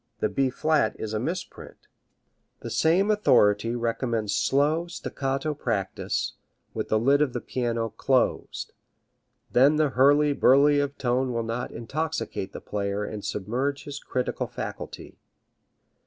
The B flat is a misprint. The same authority recommends slow staccato practice, with the lid of the piano closed. Then the hurly burly of tone will not intoxicate the player and submerge his critical faculty.